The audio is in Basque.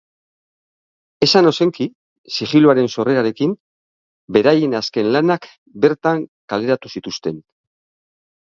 Esan Ozenki zigiluaren sorrerarekin, beraien azken lanak bertan kaleratu zituzten.